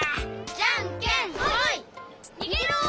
じゃんけんほい！にげろ！